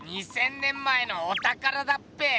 ２，０００年前のおたからだっぺ！